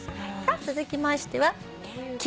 続きましては。